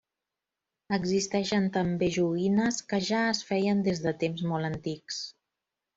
Existeixen també joguines, que ja es feien des de temps molt antics.